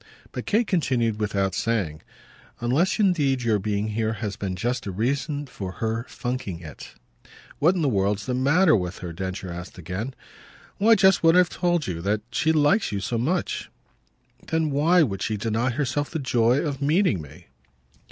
But Kate continued without saying. "Unless indeed your being here has been just a reason for her funking it." "What in the world's the matter with her?" Densher asked again. "Why just what I've told you that she likes you so much." "Then why should she deny herself the joy of meeting me?"